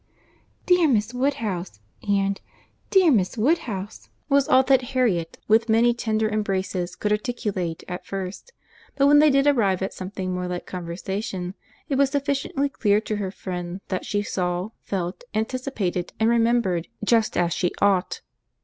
"Dear Miss Woodhouse!"—and "Dear Miss Woodhouse," was all that Harriet, with many tender embraces could articulate at first; but when they did arrive at something more like conversation, it was sufficiently clear to her friend that she saw, felt, anticipated, and remembered just as she ought.